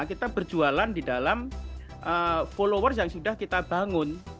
kita berjualan di dalam followers yang sudah kita bangun